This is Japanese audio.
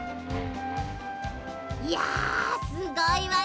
いやすごいわね。